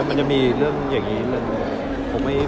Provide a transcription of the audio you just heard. แล้วมันจะมีเรื่องอย่างนี้เลย